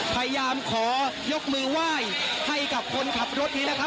พยายามขอยกมือไหว้ให้กับคนขับรถนี้นะครับ